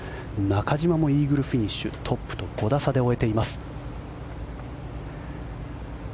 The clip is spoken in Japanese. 中島もイーグルフィニッシュトップと５打差で終えています。